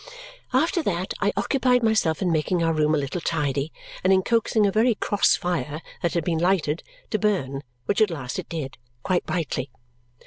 After that I occupied myself in making our room a little tidy and in coaxing a very cross fire that had been lighted to burn, which at last it did, quite brightly.